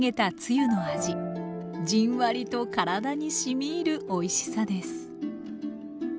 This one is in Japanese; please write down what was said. じんわりと体にしみいるおいしさです